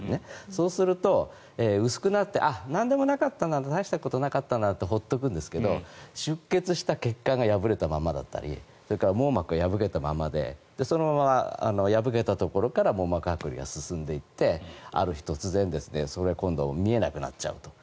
そうすると薄くなってなんでもなかったのならたいしたことなかったなって放っておくんですが出血した血管が破れたままだったりそれから網膜が破けたままでそのまま破けたところから網膜はく離が進んでいってある日突然、それが今度は見えなくなっちゃうと。